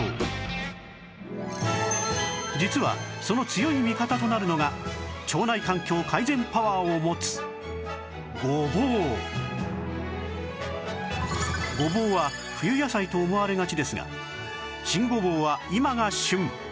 実はその強い味方となるのがごぼうは冬野菜と思われがちですが新ごぼうは今が旬